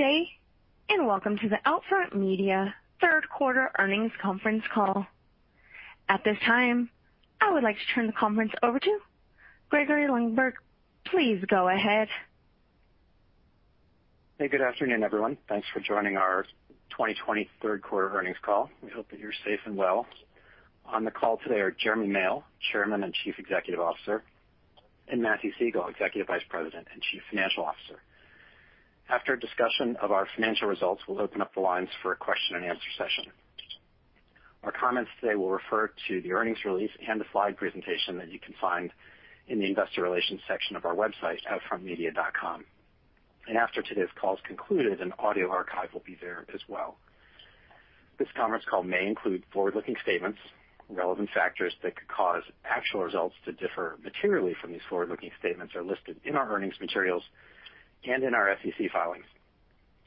Good day, and welcome to The Outfront Media Q3 Earnings conference Call. At this time, I would like to turn the conference over to Gregory Lundberg. Please go ahead. Hey, good afternoon, everyone. Thanks for joining our 2020 Q3 Earnings Call. We hope that you're safe and well. On the call today are Jeremy Male, Chairman and Chief Executive Officer, and Matthew Siegel, Executive Vice President and Chief Financial Officer. After a discussion of our financial results, we'll open up the lines for a question and answer session. Our comments today will refer to the earnings release and the slide presentation that you can find in the investor relations section of our website, outfrontmedia.com. After today's call is concluded, an audio archive will be there as well. This conference call may include forward-looking statements. Relevant factors that could cause actual results to differ materially from these forward-looking statements are listed in our earnings materials and in our SEC filings,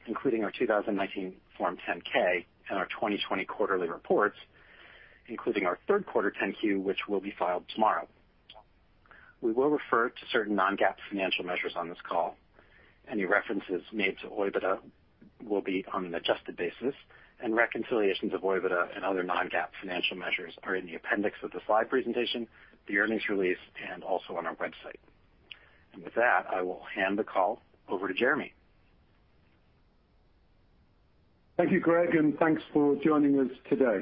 including our 2019 Form 10-K and our 2020 quarterly reports, including our Q3 10-Q, which will be filed tomorrow. We will refer to certain non-GAAP financial measures on this call. Any references made to OIBDA will be on an adjusted basis, and reconciliations of OIBDA and other non-GAAP financial measures are in the appendix of the slide presentation, the earnings release, and also on our website. With that, I will hand the call over to Jeremy. Thank you, Greg, and thanks for joining us today.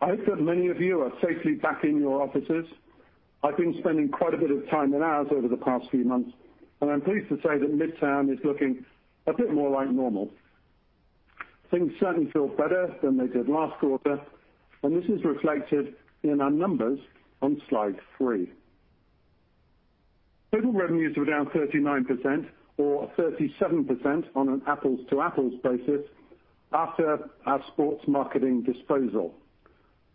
I hope that many of you are safely back in your offices. I've been spending quite a bit of time in ours over the past few months, and I'm pleased to say that Midtown is looking a bit more like normal. Things certainly feel better than they did last quarter, and this is reflected in our numbers on slide three. Total revenues were down 39%, or 37% on an apples-to-apples basis, after our sports marketing disposal,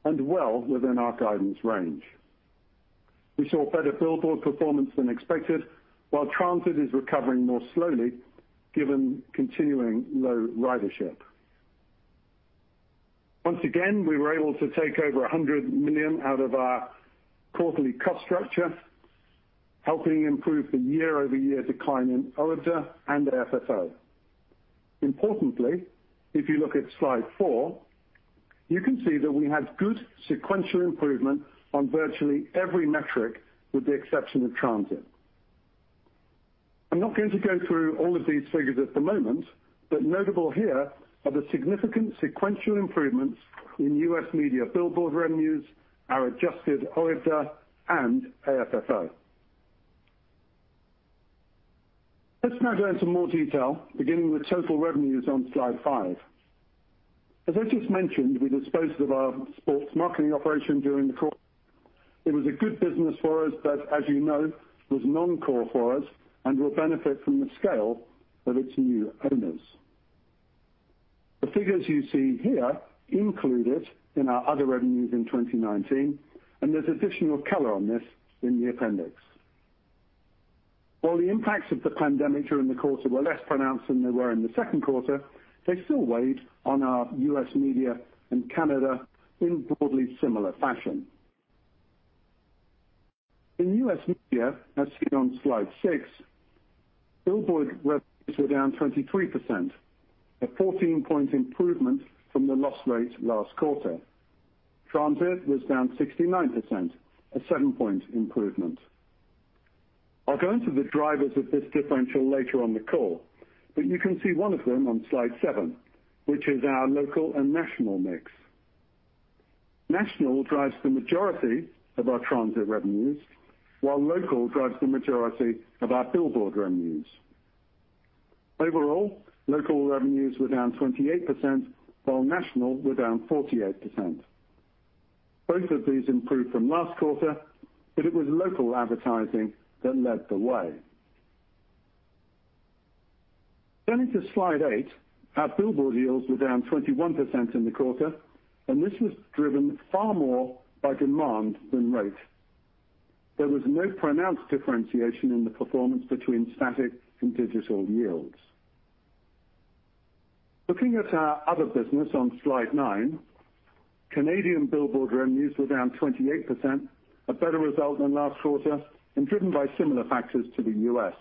and well within our guidance range. We saw better billboard performance than expected, while transit is recovering more slowly given continuing low ridership. Once again, we were able to take over $100 million out of our quarterly cost structure, helping improve the YoY decline in OIBDA and FFO. Importantly, if you look at slide four, you can see that we had good sequential improvement on virtually every metric, with the exception of transit. I'm not going to go through all of these figures at the moment, but notable here are the significant sequential improvements in U.S. Media billboard revenues, our adjusted OIBDA, and AFFO. Let's now go into more detail, beginning with total revenues on slide five. As I just mentioned, we disposed of our sports marketing operation during the quarter. It was a good business for us, but as you know, was non-core for us and will benefit from the scale of its new owners. The figures you see here included in our other revenues in 2019, and there's additional color on this in the appendix. While the impacts of the pandemic during the quarter were less pronounced than they were in the Q2, they still weighed on our U.S. Media and Canada in broadly similar fashion. In U.S. Media, as seen on slide six, billboard revenues were down 23%, a 14-point improvement from the loss rate last quarter. Transit was down 69%, a seven-point improvement. I'll go into the drivers of this differential later on the call, but you can see one of them on slide seven, which is our local and national mix. National drives the majority of our transit revenues, while local drives the majority of our billboard revenues. Overall, local revenues were down 28%, while national were down 48%. Both of these improved from last quarter, but it was local advertising that led the way. Turning to slide eight, our billboard yields were down 21% in the quarter, and this was driven far more by demand than rate. There was no pronounced differentiation in the performance between static and digital yields. Looking at our other business on slide nine, Canadian billboard revenues were down 28%, a better result than last quarter, and driven by similar factors to the U.S.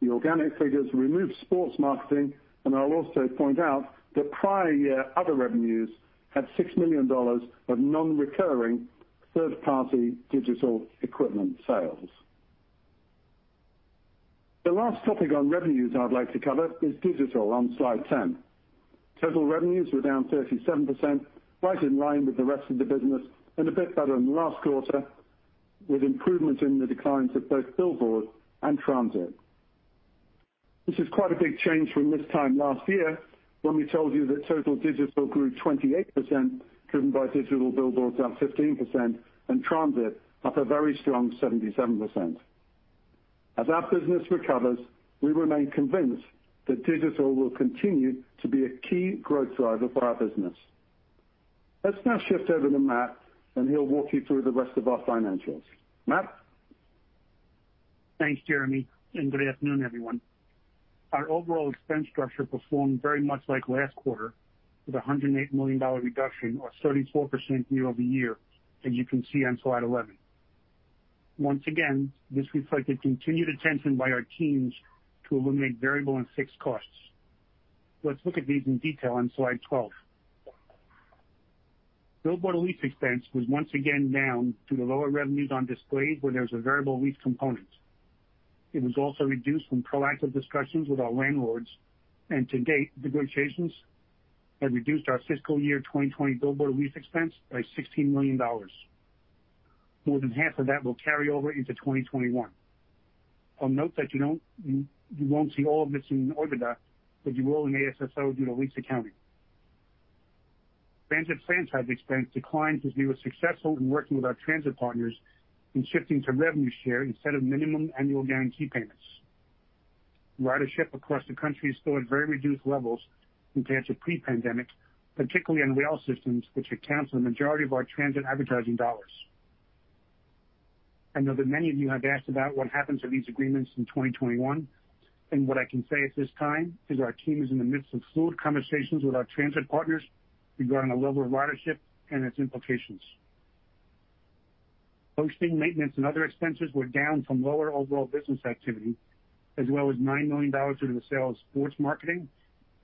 The organic figures removed sports marketing, and I'll also point out that prior year other revenues had $6 million of non-recurring third-party digital equipment sales. The last topic on revenues I'd like to cover is digital on slide 10. Total revenues were down 37%, right in line with the rest of the business, and a bit better than last quarter, with improvement in the declines of both billboard and transit. This is quite a big change from this time last year, when we told you that total digital grew 28%, driven by digital billboards up 15% and transit up a very strong 77%. As our business recovers, we remain convinced that digital will continue to be a key growth driver for our business. Let's now shift over to Matt, and he'll walk you through the rest of our financials. Matt? Thanks, Jeremy, and good afternoon, everyone. Our overall expense structure performed very much like last quarter, with $108 million reduction or 34% YoY, as you can see on slide 11. Once again, this reflects the continued attention by our teams to eliminate variable and fixed costs. Let's look at these in detail on Slide 12. Billboard lease expense was once again down due to lower revenues on displays where there was a variable lease component. It was also reduced from proactive discussions with our landlords, and to date, negotiations have reduced our fiscal year 2020 billboard lease expense by $16 million. More than half of that will carry over into 2021. I'll note that you won't see all of it in OIBDA, but you will in AFFO due to lease accounting. Transit franchise expense declined because we were successful in working with our transit partners in shifting to revenue share instead of minimum annual guarantee payments. Ridership across the country is still at very reduced levels compared to pre-pandemic, particularly on rail systems, which account for the majority of our transit advertising dollars. I know that many of you have asked about what happens to these agreements in 2021, and what I can say at this time is our team is in the midst of fluid conversations with our transit partners regarding the level of ridership and its implications. Hosting, maintenance, and other expenses were down from lower overall business activity, as well as $9 million through the sale of sports marketing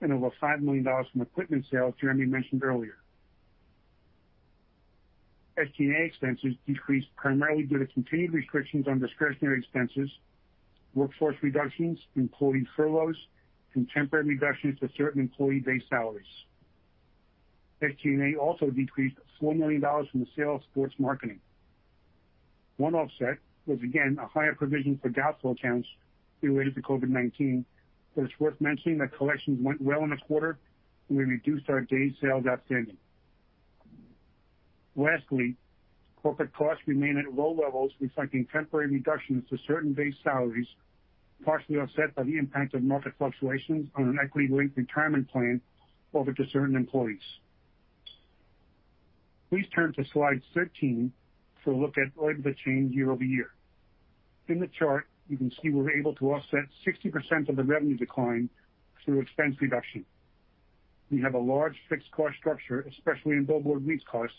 and over $5 million from equipment sales Jeremy mentioned earlier. SG&A expenses decreased primarily due to continued restrictions on discretionary expenses, workforce reductions, employee furloughs, and temporary reductions to certain employee base salaries. SG&A also decreased $4 million from the sale of sports marketing. One offset was again a higher provision for doubtful accounts related to COVID-19, but it's worth mentioning that collections went well in the quarter, and we reduced our days sales outstanding. Lastly, corporate costs remain at low levels, reflecting temporary reductions to certain base salaries, partially offset by the impact of market fluctuations on an equity-linked retirement plan offered to certain employees. Please turn to Slide 13 to look at OIBDA change YoY. In the chart, you can see we were able to offset 60% of the revenue decline through expense reduction. We have a large fixed cost structure, especially in billboard lease costs,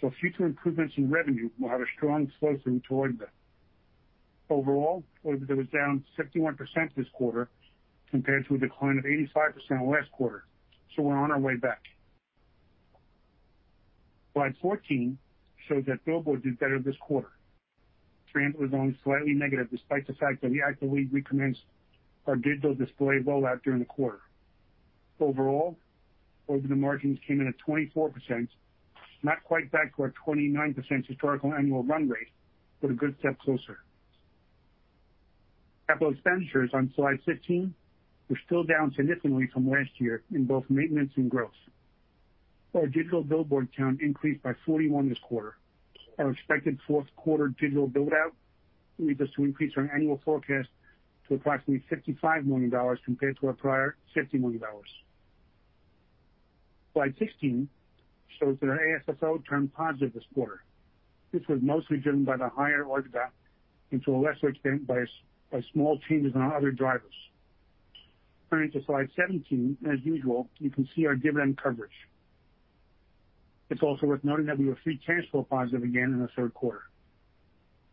so future improvements in revenue will have a strong flow-through to OIBDA. Overall, OIBDA was down 51% this quarter compared to a decline of 85% last quarter. We're on our way back. Slide 14 shows that Billboard did better this quarter. Transit was only slightly negative, despite the fact that we actively recommenced our digital display rollout during the quarter. Overall, OIBDA margins came in at 24%, not quite back to our 29% historical annual run rate, but a good step closer. Capital expenditures on slide 15 were still down significantly from last year in both maintenance and growth. Our digital billboard count increased by 41 this quarter. Our expected Q4 digital build-out leads us to increase our annual forecast to approximately $55 million compared to our prior $50 million. Slide 16 shows that our AFFO turned positive this quarter. This was mostly driven by the higher OIBDA and to a lesser extent, by small changes in our other drivers. Turning to slide 17, as usual, you can see our dividend coverage. It's also worth noting that we were free cash flow positive again in the Q3.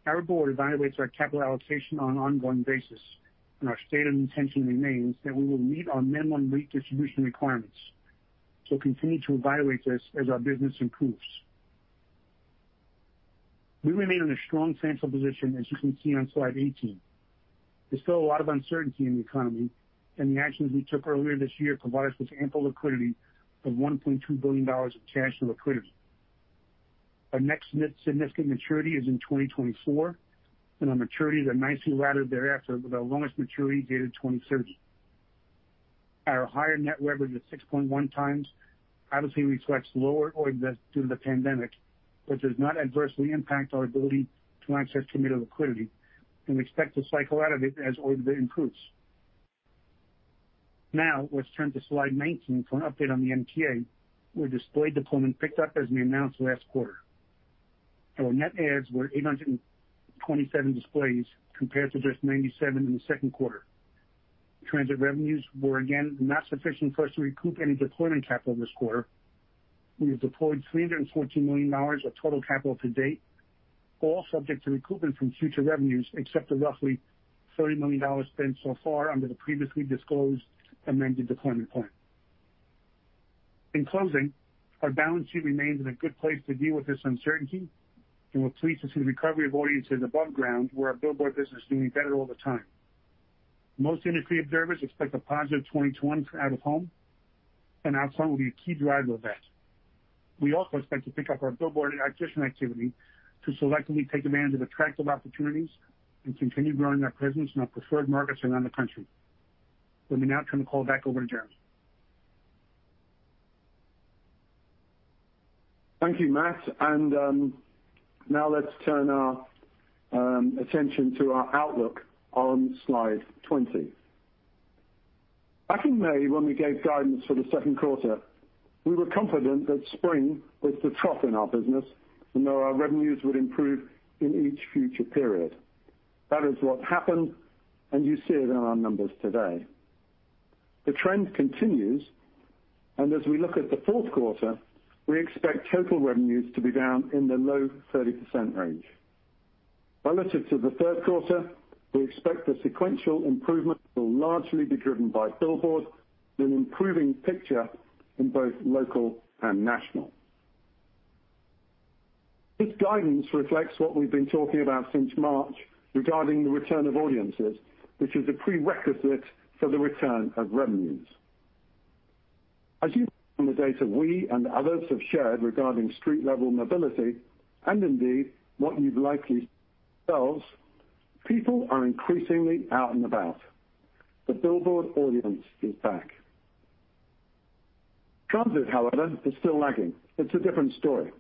Our Board evaluates our capital allocation on an ongoing basis, and our statement of intention remains that we will meet our minimum REIT distribution requirements. We continue to evaluate this as our business improves. We remain in a strong financial position, as you can see on Slide 18. There's still a lot of uncertainty in the economy, and the actions we took earlier this year provide us with ample liquidity of $1.2 billion of cash and liquidity. Our next significant maturity is in 2024, and our maturities are nicely laddered thereafter with our longest maturity dated 2030. Our higher net leverage of 6.1x obviously reflects lower OIBDA due to the pandemic, but does not adversely impact our ability to access committed liquidity, and we expect to cycle out of it as OIBDA improves. Now, let's turn to Slide 19 for an update on the MTA, where display deployment picked up as we announced last quarter. Our net adds were 827 displays compared to just 97 in the Q2. Transit revenues were again not sufficient for us to recoup any deployment capital this quarter. We have deployed $314 million of total capital to date, all subject to recoupment from future revenues, except the roughly $30 million spent so far under the previously disclosed amended deployment plan. In closing, our balance sheet remains in a good place to deal with this uncertainty, and we're pleased to see the recovery of audiences above ground where our Billboard business is doing better all the time. Most industry observers expect a positive 2021 for out-of-home, and OOH will be a key driver of that. We also expect to pick up our billboard acquisition activity to selectively take advantage of attractive opportunities and continue growing our presence in our preferred markets around the country. Let me now turn the call back over to Jeremy. Thank you, Matt. Now let's turn our attention to our outlook on slide 20. Back in May, when we gave guidance for the Q2, we were confident that spring was the trough in our business and that our revenues would improve in each future period. That is what happened, and you see it in our numbers today. The trend continues, and as we look at the Q4, we expect total revenues to be down in the low 30% range. Relative to the Q3, we expect the sequential improvement will largely be driven by billboard, with an improving picture in both local and national. This guidance reflects what we've been talking about since March regarding the return of audiences, which is a prerequisite for the return of revenues. As you from the data we and others have shared regarding street level mobility, and indeed what you've likely yourselves, people are increasingly out and about. The billboard audience is back. Transit, however, is still lagging. It's a different story.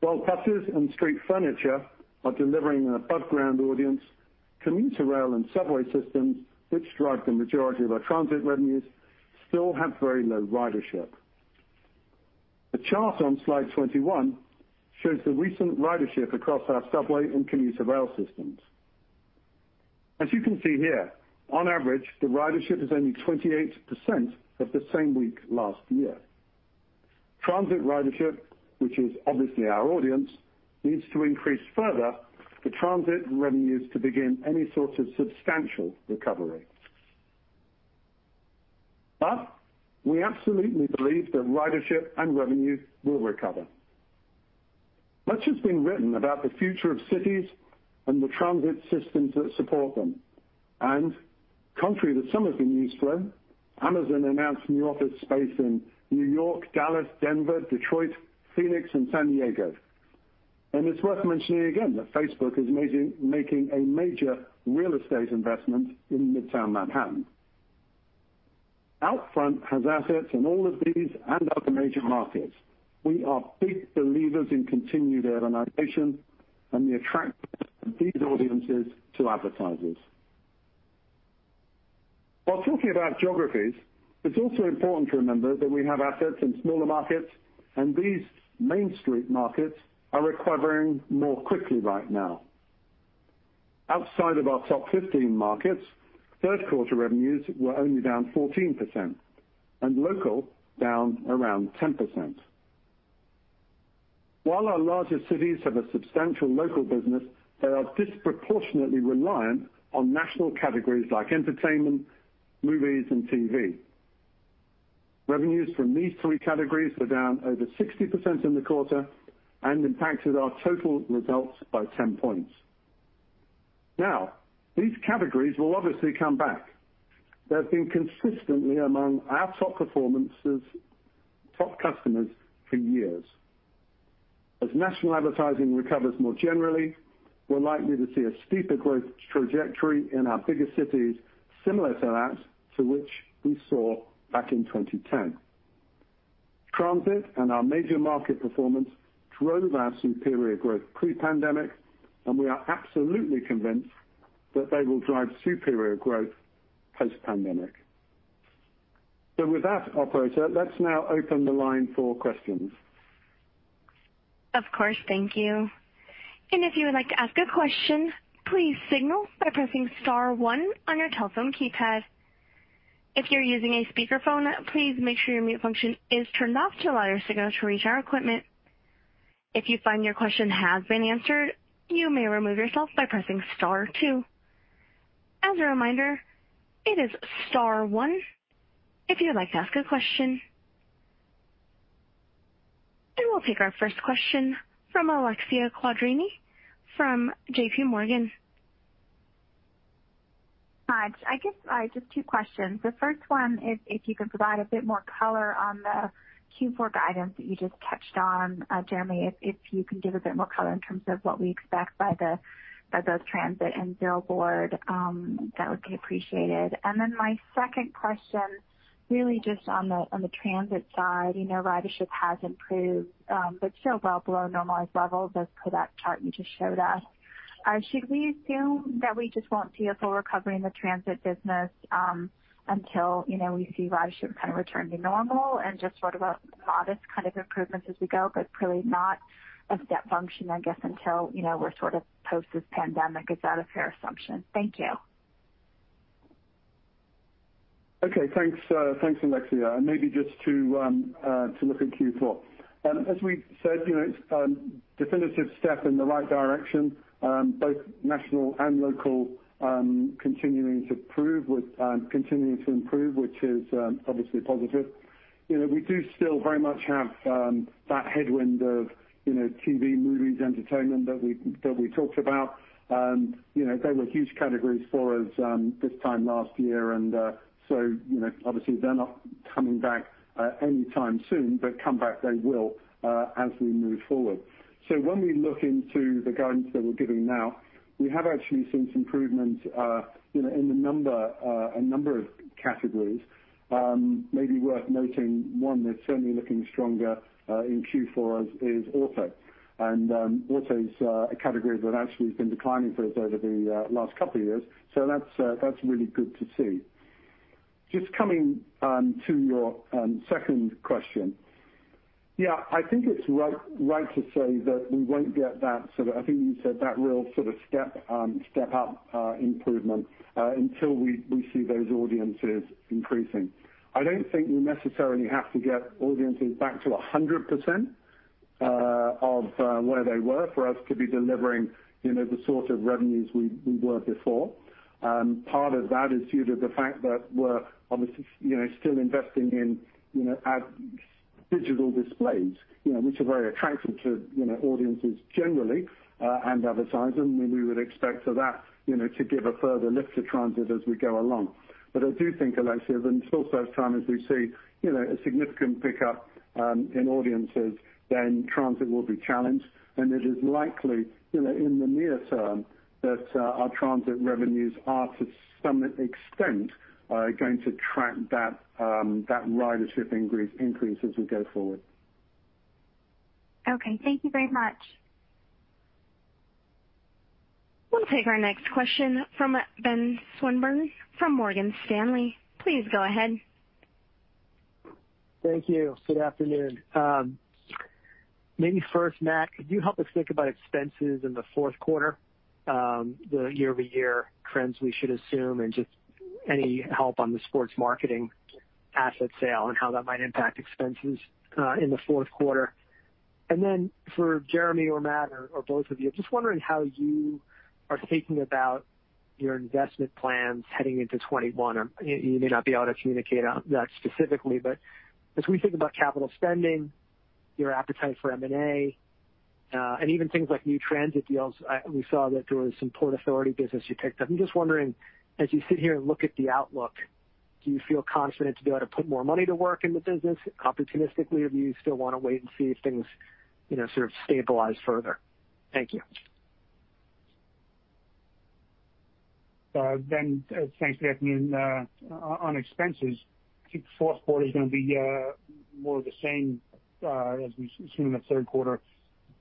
While buses and street furniture are delivering an above ground audience, commuter rail and subway systems, which drive the majority of our transit revenues, still have very low ridership. The chart on Slide 21 shows the recent ridership across our subway and commuter rail systems. As you can see here, on average, the ridership is only 28% of the same week last year. Transit ridership, which is obviously our audience, needs to increase further for transit revenues to begin any sort of substantial recovery. We absolutely believe that ridership and revenues will recover. Much has been written about the future of cities and the transit systems that support them. Contrary to some of the news flow, Amazon announced new office space in New York, Dallas, Denver, Detroit, Phoenix, and San Diego. It's worth mentioning again that Facebook is making a major real estate investment in Midtown Manhattan. Outfront has assets in all of these and other major markets. We are big believers in continued urbanization and the attraction of these audiences to advertisers. While talking about geographies, it's also important to remember that we have assets in smaller markets, and these main street markets are recovering more quickly right now. Outside of our top 15 markets, Q3 revenues were only down 14%, and local down around 10%. While our largest cities have a substantial local business, they are disproportionately reliant on national categories like entertainment, movies, and TV. Revenues from these three categories were down over 60% in the quarter and impacted our total results by 10 points. Now, these categories will obviously come back. They've been consistently among our top customers for years. As national advertising recovers more generally, we're likely to see a steeper growth trajectory in our bigger cities similar to that to which we saw back in 2010. Transit and our major market performance drove our superior growth pre-pandemic, and we are absolutely convinced that they will drive superior growth post-pandemic. With that, Operator, let's now open the line for questions. Of course. Thank you. If you would like to ask a question, please signal by pressing star one on your telephone keypad. If you're using a speakerphone, please make sure your mute function is turned off to allow your signal to reach our equipment. If you find your question has been answered, you may remove yourself by pressing star two. As a reminder, it is star one if you would like to ask a question. We'll take our first question from Alexia Quadrani from JPMorgan. Hi. I guess just two questions. The first one is if you can provide a bit more color on the Q4 guidance that you just touched on. Jeremy, if you can give a bit more color in terms of what we expect by the transit and billboard, that would be appreciated. My second question, really just on the transit side, ridership has improved, but still well below normalized levels, as per that chart you just showed us. Should we assume that we just won't see a full recovery in the transit business until we see ridership kind of return to normal and just sort of a modest kind of improvements as we go, but really not a step function, I guess, until we're sort of post this pandemic? Is that a fair assumption? Thank you. Okay. Thanks, Alexia. Maybe just to look at Q4, as we said, it's a definitive step in the right direction, both national and local continuing to improve, which is obviously positive. We do still very much have that headwind of TV, movies, entertainment that we talked about. They were huge categories for us this time last year, and so obviously they're not coming back anytime soon, but come back they will as we move forward. When we look into the guidance that we're giving now, we have actually seen some improvement in a number of categories. Maybe worth noting, one that's certainly looking stronger in Q4 is auto. Auto is a category that actually has been declining for us over the last couple of years. That's really good to see. Just coming to your second question, yeah, I think it's right to say that we won't get that sort of, I think you said that, real step-up improvement until we see those audiences increasing. I don't think we necessarily have to get audiences back to 100% of where they were for us to be delivering the sort of revenues we were before. Part of that is due to the fact that we're obviously still investing in digital displays, which are very attractive to audiences generally, and advertising, and we would expect that to give a further lift to transit as we go along. I do think, Alexia, that until such time as we see a significant pickup in audiences, then transit will be challenged, and it is likely in the near term that our transit revenues are, to some extent, going to track that ridership increase as we go forward. Okay. Thank you very much. We'll take our next question from Ben Swinburne from Morgan Stanley. Please go ahead. Thank you. Good afternoon. Maybe first, Matt, could you help us think about expenses in the Q4, the YoY trends we should assume, and just any help on the sports marketing asset sale and how that might impact expenses in the Q4? For Jeremy or Matt or both of you, just wondering how you are thinking about your investment plans heading into 2021. You may not be able to communicate on that specifically, but as we think about capital spending, your appetite for M&A, and even things like new transit deals, we saw that there was some Port Authority business you picked up. I'm just wondering, as you sit here and look at the outlook, do you feel confident to be able to put more money to work in the business opportunistically, or do you still want to wait and see if things sort of stabilize further? Thank you. Ben, thanks. Good afternoon. On expenses, I think the Q4 is going to be more of the same as we've seen in the Q3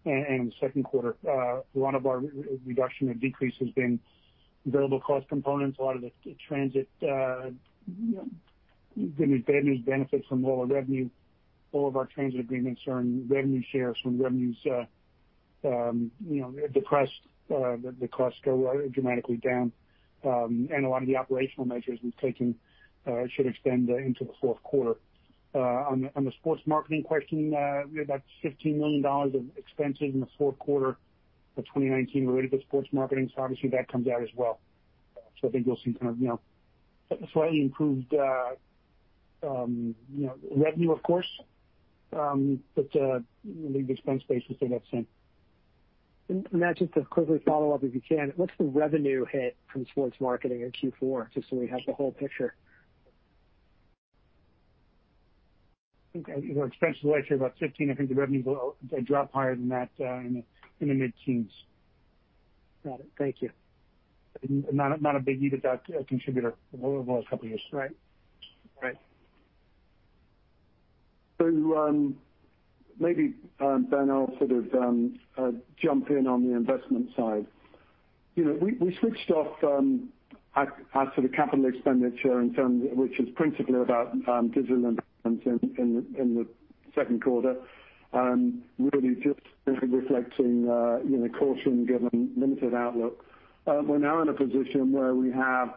and the Q2. A lot of our reduction or decrease has been variable cost components, a lot of the transit benefits from lower revenue. All of our transit agreements are in revenue shares. When revenues depress, the costs go dramatically down. A lot of the operational measures we've taken should extend into the Q4. On the sports marketing question, we had about $15 million of expenses in the Q4 of 2019 related to sports marketing. Obviously that comes out as well. I think you'll see kind of slightly improved revenue, of course, but the expense base will stay about the same. Matt, just a quick follow-up if you can. What's the revenue hit from sports marketing in Q4, just so we have the whole picture? I think our expenses last year were about 15%. I think the revenues will drop higher than that, in the mid-teens. Got it. Thank you. Not a big EBITDA contributor over the last couple of years. Right. Maybe, Ben, I'll sort of jump in on the investment side. We switched off our sort of capital expenditure which is principally about digital investments in the Q2, really just reflecting caution given limited outlook. We're now in a position where we have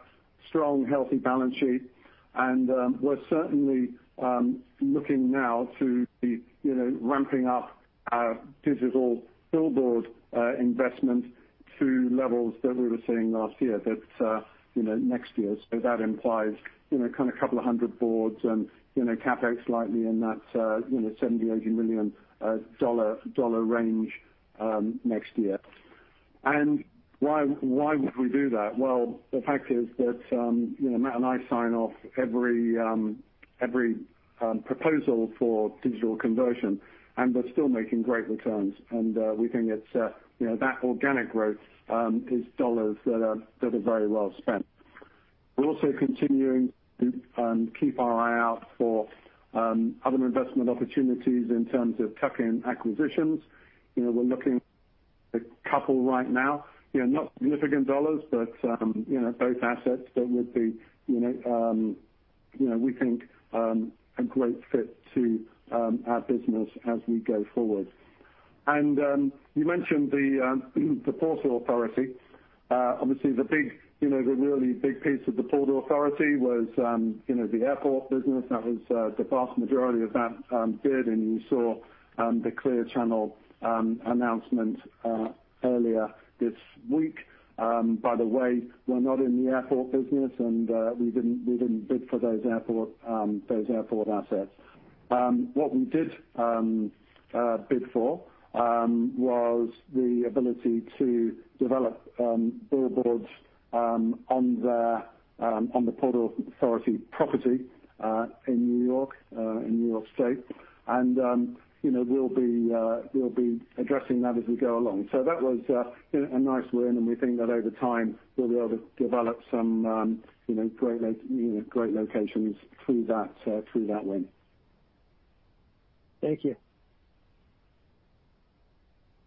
strong, healthy balance sheet, and we're certainly looking now to be ramping up our digital billboard investment to levels that we were seeing last year, next year. That implies kind of a couple of 100 boards and CapEx slightly in that $70 million-$80 million range next year. Why would we do that? Well, the fact is that Matt and I sign off every proposal for digital conversion, and we're still making great returns. We think that organic growth is dollars that are very well spent. We're also continuing to keep our eye out for other investment opportunities in terms of tuck-in acquisitions. We're looking at a couple right now, not significant dollars, but both assets that would be, we think, a great fit to our business as we go forward. You mentioned the Port Authority. Obviously, the really big piece of the Port Authority was the airport business. That was the vast majority of that bid, and you saw the Clear Channel announcement earlier this week. By the way, we're not in the airport business, and we didn't bid for those airport assets. What we did bid for was the ability to develop billboards on the Port Authority property in New York, in New York State. We'll be addressing that as we go along. That was a nice win, and we think that over time, we'll be able to develop some great locations through that win. Thank you.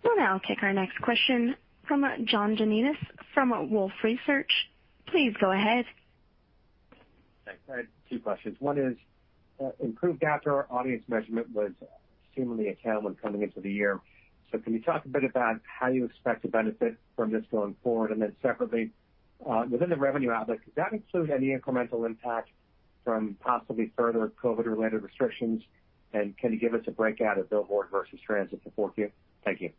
We'll now take our next question from John Janedis from Wolfe Research. Please go ahead. Thanks. I had two questions. One is, improved outdoor audience measurement was seemingly a tailwind coming into the year. Can you talk a bit about how you expect to benefit from this going forward? Separately, within the revenue outlook, does that include any incremental impact from possibly further COVID-related restrictions? Can you give us a breakout of Billboard versus Transit for 4Q? Thank you.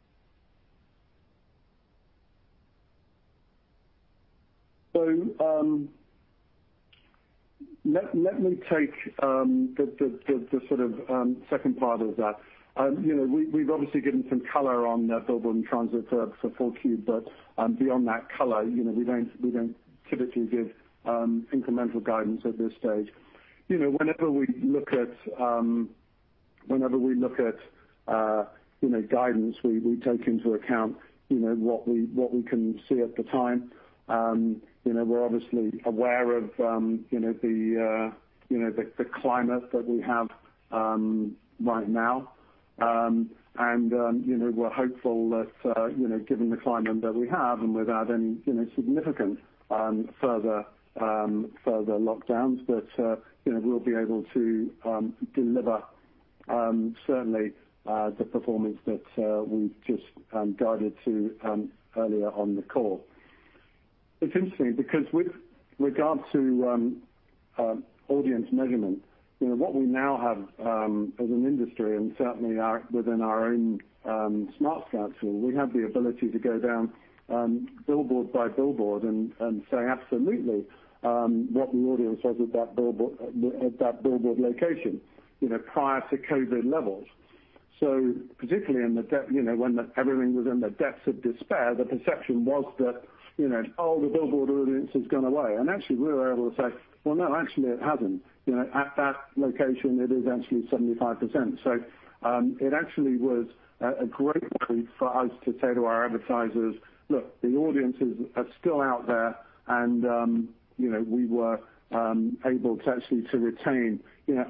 Let me take the sort of second part of that. We've obviously given some color on billboard and transit for 4Q. Beyond that color, we don't typically give incremental guidance at this stage. Whenever we look at guidance, we take into account what we can see at the time. We're obviously aware of the climate that we have right now. We're hopeful that, given the climate that we have, and without any significant further lockdowns, that we'll be able to deliver, certainly, the performance that we've just guided to earlier on the call. It's interesting because with regards to audience measurement, what we now have, as an industry, and certainly within our own smartSCOUT, we have the ability to go down billboard by billboard and say absolutely what the audience was at that billboard location prior to COVID levels. Particularly when everything was in the depths of despair, the perception was that, oh, the billboard audience has gone away. Actually, we were able to say, "Well, no, actually it hasn't. At that location, it is actually 75%." It actually was a great way for us to say to our advertisers, "Look, the audiences are still out there," and we were able to actually retain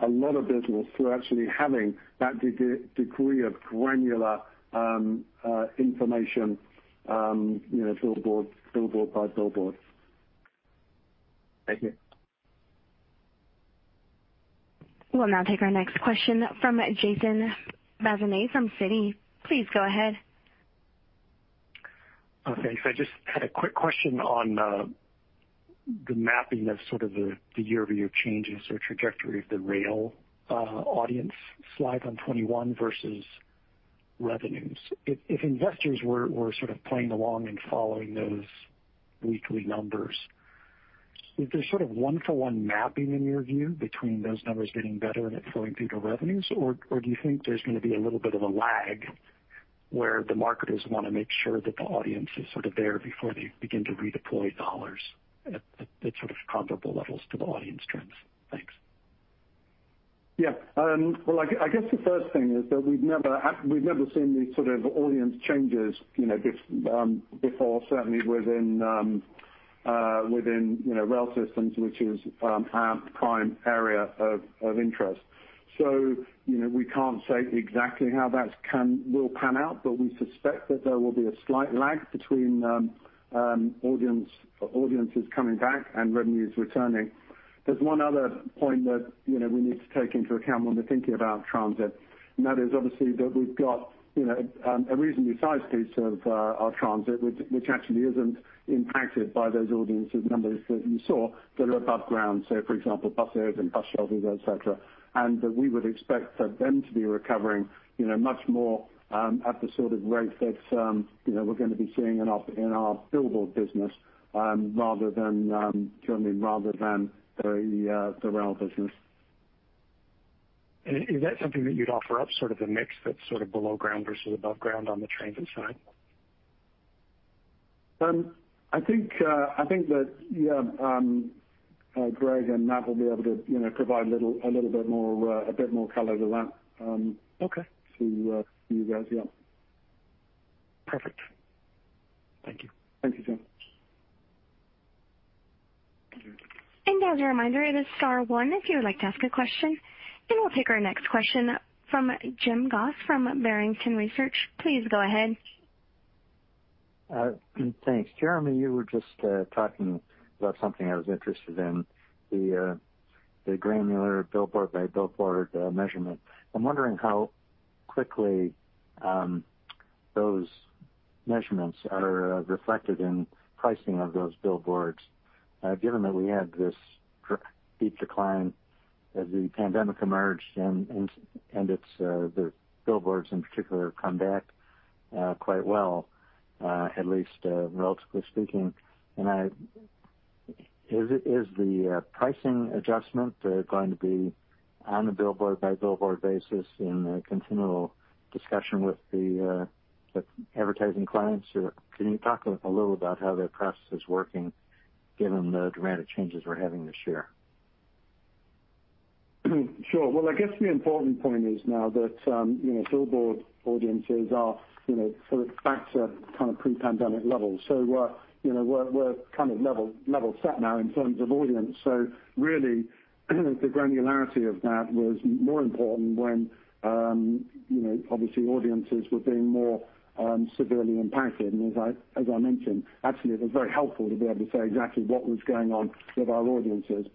a lot of business through actually having that degree of granular information billboard by billboard. Thank you. We'll now take our next question from Jason Bazinet from Citi. Please go ahead. Thanks. I just had a quick question on the mapping of sort of the YoY changes or trajectory of the rail audience slide on 21 versus revenues. If investors were sort of playing along and following those weekly numbers, is there sort of one-for-one mapping in your view between those numbers getting better and it flowing through to revenues? Do you think there's going to be a little bit of a lag where the marketers want to make sure that the audience is sort of there before they begin to redeploy dollars at sort of comparable levels to the audience trends? Thanks. Yeah. Well, I guess the first thing is that we've never seen these sort of audience changes before, certainly within rail systems, which is our prime area of interest. We can't say exactly how that will pan out, but we suspect that there will be a slight lag between audiences coming back and revenues returning. There's one other point that we need to take into account when we're thinking about transit, and that is obviously that we've got a reasonably sized piece of our transit, which actually isn't impacted by those audience numbers that you saw, that are above ground, so for example, buses and bus shelters, et cetera. That we would expect for them to be recovering much more at the sort of rate that we're going to be seeing in our billboard business rather than the rail business. Is that something that you'd offer up, sort of the mix that's sort of below ground versus above ground on the transit side? I think that Greg and Matt will be able to provide a little bit more color to that. Okay To you guys, yeah. Perfect. Thank you. Thank you, Jason. As a reminder, it is star one if you would like to ask a question. We'll take our next question from Jim Goss from Barrington Research. Please go ahead. Thanks. Jeremy, you were just talking about something I was interested in, the granular billboard-by-billboard measurement. I'm wondering how quickly those measurements are reflected in pricing of those billboards, given that we had this steep decline as the pandemic emerged, and the billboards in particular have come back quite well, at least relatively speaking. Is the pricing adjustment going to be on a billboard-by-billboard basis in a continual discussion with the advertising clients? Can you talk a little about how that process is working given the dramatic changes we're having this year? Sure. Well, I guess the important point is now that billboard audiences are sort of back to pre-pandemic levels. We're kind of level set now in terms of audience. Really, the granularity of that was more important when obviously audiences were being more severely impacted. As I mentioned, actually, it was very helpful to be able to say exactly what was going on with our audiences.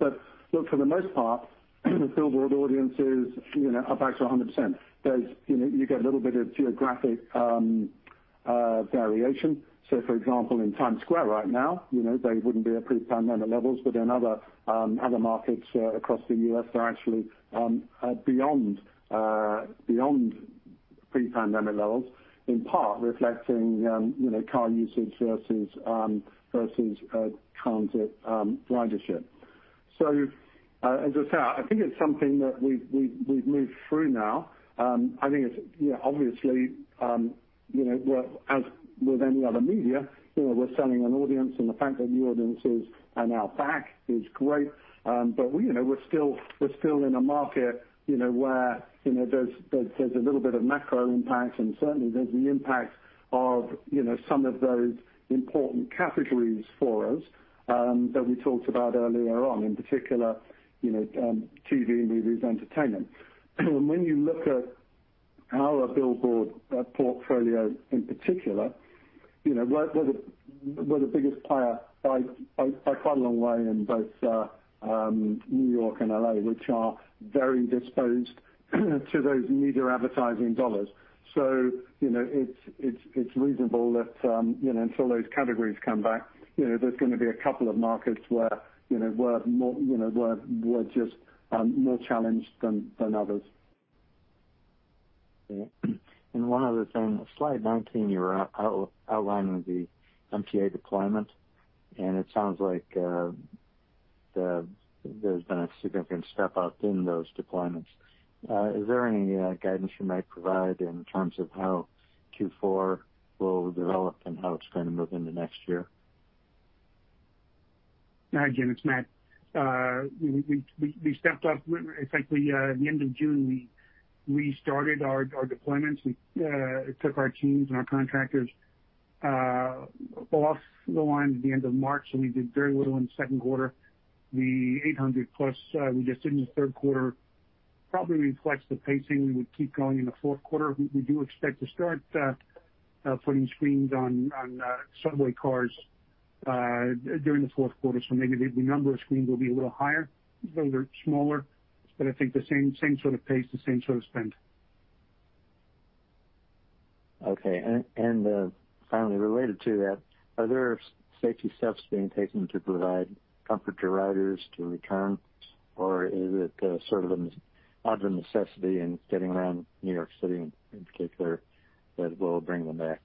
Look, for the most part, billboard audiences are back to 100%. You get a little bit of geographic variation. For example, in Times Square right now, they wouldn't be at pre-pandemic levels. In other markets across the U.S., they're actually beyond pre-pandemic levels, in part reflecting car usage versus transit ridership. As I say, I think it's something that we've moved through now. I think obviously, as with any other media, we're selling an audience, and the fact that the audiences are now back is great. We're still in a market where there's a little bit of macro impact, and certainly there's the impact of some of those important categories for us that we talked about earlier on, in particular, TV, movies, entertainment. When you look at our billboard portfolio in particular, we're the biggest player by quite a long way in both New York and L.A., which are very disposed to those media advertising dollars. It's reasonable that until those categories come back, there's going to be a couple of markets where we're just more challenged than others. Okay. One other thing. Slide 19, you're outlining the MTA deployment, and it sounds like there's been a significant step-up in those deployments. Is there any guidance you might provide in terms of how Q4 will develop and how it's going to move into next year? Jim, it's Matt. We stepped up, I think the end of June. We restarted our deployments. It took our teams and our contractors off the line at the end of March, so we did very little in the Q2. The 800+ we just did in the Q3 probably reflects the pacing we would keep going in the Q4. We do expect to start putting screens on subway cars during the Q4, so maybe the number of screens will be a little higher. Those are smaller, but I think the same sort of pace, the same sort of spend. Okay. Finally related to that, are there safety steps being taken to provide comfort to riders to return, or is it sort of an out of necessity in getting around New York City in particular that will bring them back?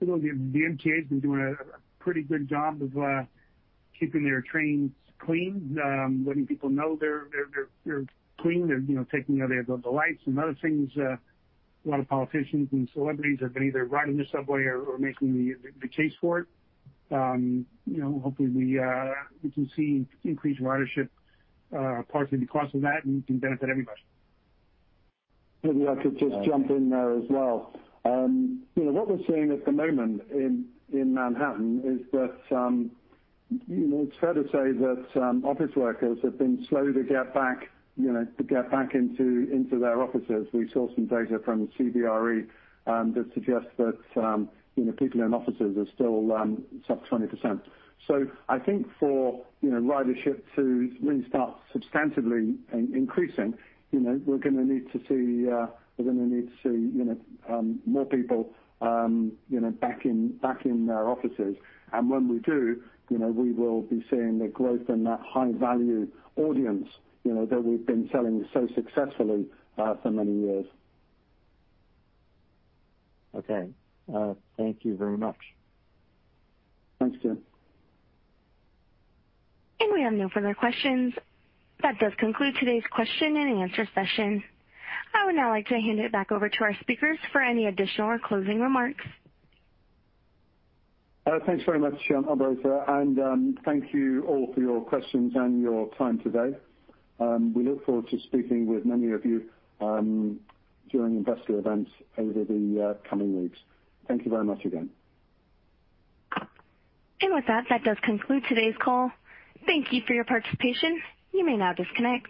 The MTA's been doing a pretty good job of keeping their trains clean, letting people know they're clean. They're taking out the ads and other things. A lot of politicians and celebrities have been either riding the subway or making the case for it. Hopefully, we can see increased ridership partially because of that, and it can benefit everybody. Maybe I could just jump in there as well. What we're seeing at the moment in Manhattan is that it's fair to say that office workers have been slow to get back into their offices. We saw some data from CBRE that suggests that people in offices are still down 20%. I think for ridership to really start substantively increasing, we're going to need to see more people back in their offices. When we do, we will be seeing the growth in that high-value audience that we've been selling so successfully for many years. Okay. Thank you very much. Thanks, Jim. We have no further questions. That does conclude today's question and answer session. I would now like to hand it back over to our speakers for any additional or closing remarks. Thanks very much, Alberto. Thank you all for your questions and your time today. We look forward to speaking with many of you during investor events over the coming weeks. Thank you very much again. With that does conclude today's call. Thank you for your participation. You may now disconnect.